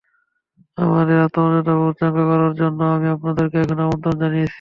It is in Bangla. আপনাদের আত্মমর্যাদাবোধ চাঙ্গা করার জন্য আমি আপনাদেরকে এখানে আমন্ত্রণ জানিয়েছি।